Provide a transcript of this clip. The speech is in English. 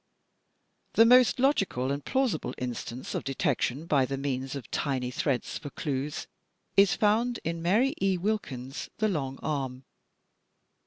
The most logical and plausible instance of detection by the means of tiny threads for clues is found in Mary E. Wilkins's "The Long Arm."